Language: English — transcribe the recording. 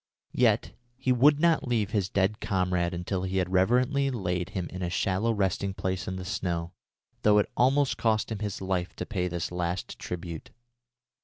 Yet he would not leave his dead comrade until he had reverently laid him in a shallow resting place in the snow, though it almost cost him his life to pay this last tribute.